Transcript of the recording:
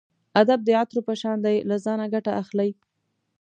ادب د عطرو په شان دی له ځانه ګټه اخلئ.